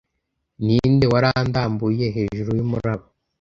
ninde warandambuye hejuru yumuraba